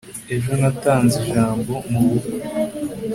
ejo natanze ijambo mubukwe